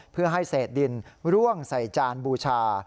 เพื่อให้เศษดินร่วงใส่จานบูชา